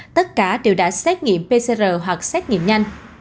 tất cả đều đã xét nghiệm pcr hoặc xét nghiệm nhanh